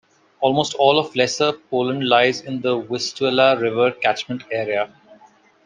Almost all of Lesser Poland lies in the Vistula River catchment area.